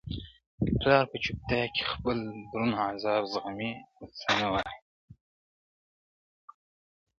پلار په چوپتيا کي خپل دروند عذاب زغمي او څه نه وايي,